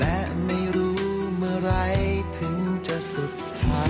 และไม่รู้เมื่อไหร่ถึงจะสุดท้าย